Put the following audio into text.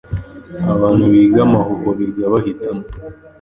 Abantu biga amahuho biga bahitamo